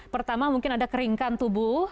pertama mungkin ada keringkan tubuh